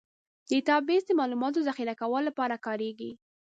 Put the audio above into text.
ډیټابیس د معلوماتو ذخیره کولو لپاره کارېږي.